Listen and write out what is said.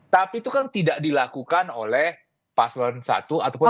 tapi itu kan tidak dilakukan oleh pak solon i ataupun pak solon iii